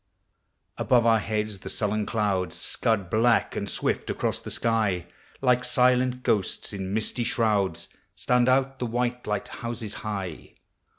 Above our heads the sullen clouds Seud black and swift across the sky: Like silent ghosts in misty shrouds Stand out the white light houses high.